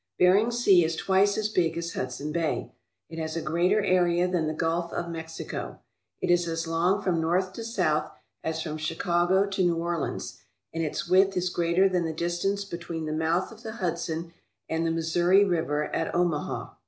Bering Sea is twice as big as Hudson Bay. It has a greater area than the Gulf of Mexico. It is as long from north to south as from Chicago to New Orleans, and its width is greater than the distance between the mouth of the Hudson and the Missouri River at Omaha.